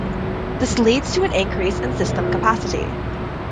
This leads to increase in system capacity.